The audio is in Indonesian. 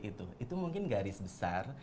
itu mungkin garis besar